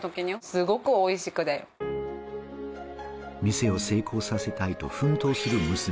店を成功させたいと奮闘する娘。